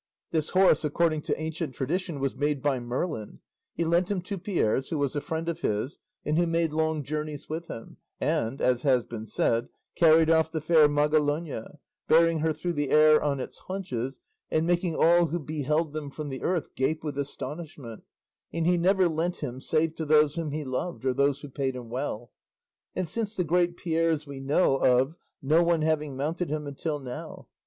This horse, according to ancient tradition, was made by Merlin. He lent him to Pierres, who was a friend of his, and who made long journeys with him, and, as has been said, carried off the fair Magalona, bearing her through the air on its haunches and making all who beheld them from the earth gape with astonishment; and he never lent him save to those whom he loved or those who paid him well; and since the great Pierres we know of no one having mounted him until now.